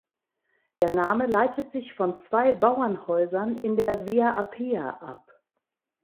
Der Name leitet sich von zwei Bauernhäusern in der Via Appia ab.